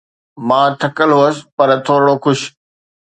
مان ٿڪل هئس پر ٿورڙو خوش.